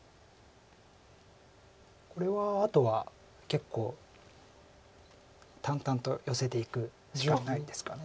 これはあとは結構淡々とヨセていくしかないですか。